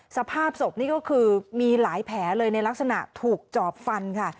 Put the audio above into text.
สภาพศพนี่ก็คือมีหลายแผลเลยในลักษณะถูกจอบฟันค่ะ